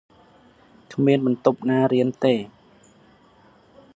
គ្មានបន្ទប់ណារៀនទេ ។